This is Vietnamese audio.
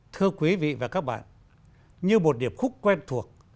thưa quý vị và các bạn như một điệp khúc quen thuộc